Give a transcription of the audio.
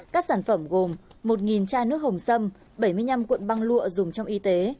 các sản phẩm gồm một chai nước hồng sâm bảy mươi năm cuộn băng lụa dùng trong y tế